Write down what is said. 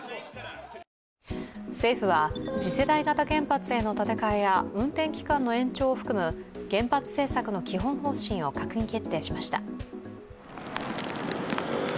政府は次世代型原発への建て替えや運転期間の延長を含む原発政策の基本方針を閣議決定しました。